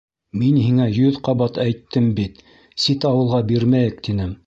— Мин һиңә йөҙ ҡабат әйттем бит, сит ауылға бирмәйек, тинем.